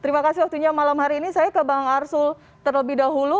terima kasih waktunya malam hari ini saya ke bang arsul terlebih dahulu